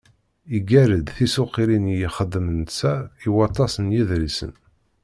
Yeγγar-d tisuqilin i yexdem netta i waṭas n yiḍrisen.